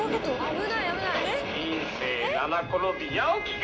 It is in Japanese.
人生七転び八起か。